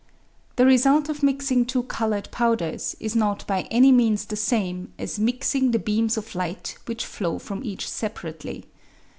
The result of mixing two coloured powders is not by any means the same as mixing the beams of light which flow from each separately.